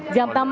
mulai jam enam